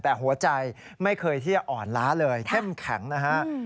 แต่หัวใจไม่เคยที่จะอ่อนล้าเลยเข้มแข็งนะฮะ